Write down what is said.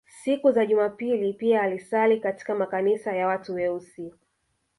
Siku za Jumapili pia alisali katika makanisa ya watu weusi